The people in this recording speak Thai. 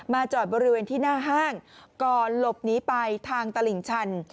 จอดบริเวณที่หน้าห้างก่อนหลบหนีไปทางตลิ่งชัน